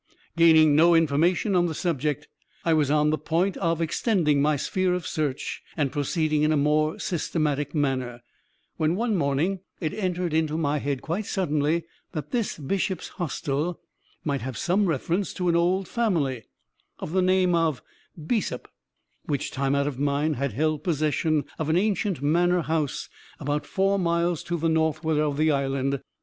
Gaining no information on the subject, I was on the point of extending my sphere of search, and proceeding in a more systematic manner, when, one morning, it entered into my head, quite suddenly, that this 'Bishop's Hostel' might have some reference to an old family, of the name of Bessop, which, time out of mind, had held possession of an ancient manor house, about four miles to the northward of the island.